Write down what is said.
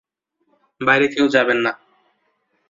বাইরে কেউ যাবেন না।